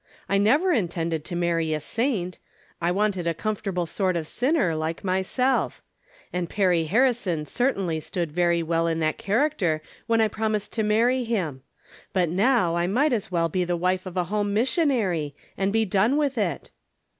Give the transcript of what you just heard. I never intended 3 marry a saint. I wanted a comfortable sort of inner, like myself; and Perry Harrison cer iinly stood very well in that character when I romised to marry him ; but now I might as well e the wife of a home missionary, and be done dth it